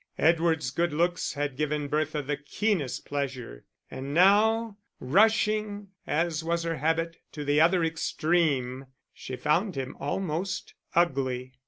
Edward's good looks had given Bertha the keenest pleasure, and now, rushing, as was her habit, to the other extreme, she found him almost ugly.